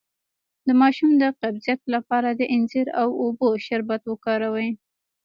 د ماشوم د قبضیت لپاره د انځر او اوبو شربت وکاروئ